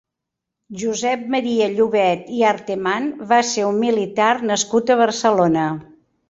Josep Maria Llobet i Arteman va ser un militar nascut a Barcelona.